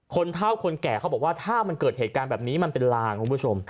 เท่าคนแก่เขาบอกว่าถ้ามันเกิดเหตุการณ์แบบนี้มันเป็นลางคุณผู้ชม